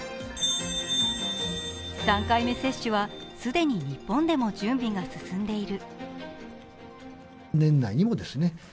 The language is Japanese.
３回目接種は既に日本でも準備が進んでいる。